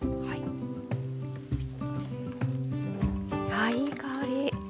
あいい香り。